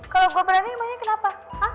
kalau gue berani namanya kenapa